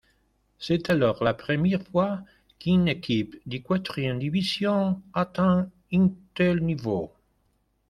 C'est alors la première fois qu'une équipe de quatrième division atteint un tel niveau.